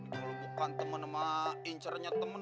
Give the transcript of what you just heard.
kalau lo bukan temen sama incernya temen